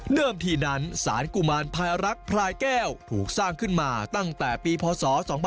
ทีนั้นสารกุมารพลายรักพลายแก้วถูกสร้างขึ้นมาตั้งแต่ปีพศ๒๕๖๒